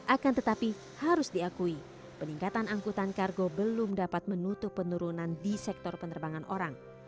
akan tetapi harus diakui peningkatan angkutan kargo belum dapat menutup penurunan di sektor penerbangan orang